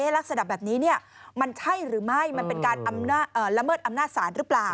ลักษณะแบบนี้มันใช่หรือไม่มันเป็นการละเมิดอำนาจศาลหรือเปล่า